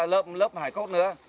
lớp hải cốt nữa